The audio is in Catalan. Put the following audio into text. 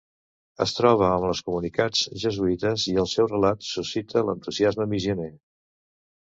Es troba amb les comunitats jesuïtes i el seu relat suscita l'entusiasme missioner.